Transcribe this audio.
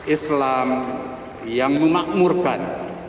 islam yang memakmurkan